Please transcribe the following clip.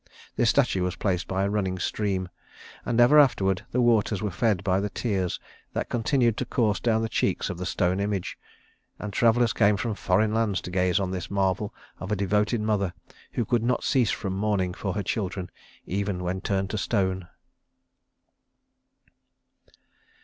This statue was placed by a running stream, and ever afterward the waters were fed by the tears that continued to course down the cheeks of the stone image; and travelers came from foreign lands to gaze on this marvel of a devoted mother who could not cease from mourning for her children even when turned into stone.